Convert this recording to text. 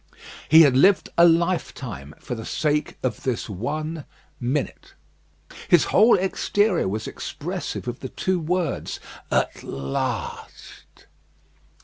He had lived a lifetime for the sake of this one minute. His whole exterior was expressive of the two words, "At last."